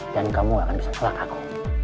dan kamu gak akan bisa kelak aku